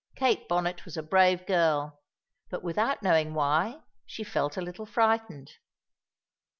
Kate Bonnet was a brave girl, but without knowing why she felt a little frightened.